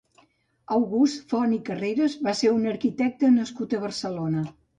August Font i Carreras va ser un arquitecte nascut a Barcelona.